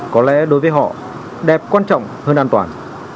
có lẽ đối với họ đẹp quan trọng hơn an toàn